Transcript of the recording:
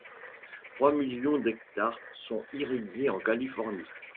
Trois millions d’hectares sont irrigués en Californie.